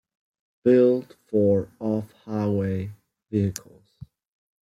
Built for Off-Highway vehicles.